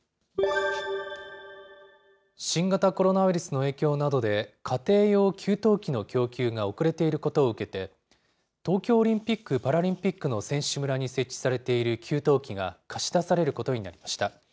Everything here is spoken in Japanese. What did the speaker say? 新型コロナウイルスの影響などで、家庭用給湯器の供給が遅れていることを受けて、東京オリンピック・パラリンピックの選手村に設置されている給湯器が貸し出されることになりました。